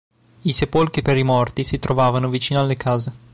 I sepolcri per i morti si trovavano vicino alle case.